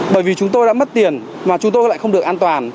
bởi vì chúng tôi đã mất tiền mà chúng tôi lại không được an toàn